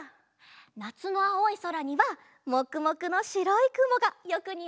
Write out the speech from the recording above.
なつのあおいそらにはもくもくのしろいくもがよくにあうよね。